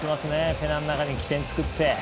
ペナの中に起点を作って。